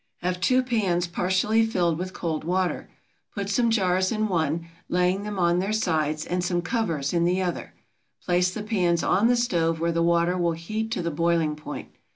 Have two pans partially filled with cold water. Put some jars in one, laying them on their sides, and some covers in the other. Place the pans on the stove where the water will heat to the boiling point.